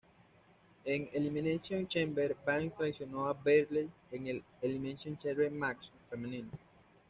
En Elimination Chamber, Banks traicionó a Bayley en el "Elimination Chamber match" femenino.